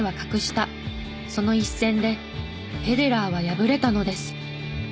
その一戦でフェデラーは敗れたのです。